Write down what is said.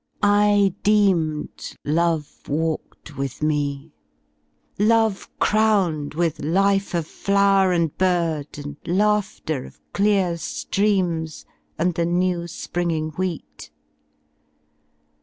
I deemed Love walked with me. Love crowned with life Of flower and bird and laughter of clear fir earns. And the new springing wheat.